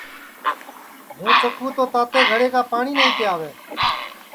ہُوں چکُو تو تاتے گھڑے کا پاٹؔی نائیں پِیاوے